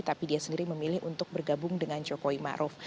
tapi dia sendiri memilih untuk bergabung dengan jokowi maruf